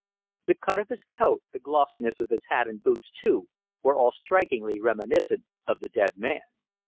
The cut of his coat, the glossiness of his hat and boots, too, were all strikingly reminiscent of the dead man.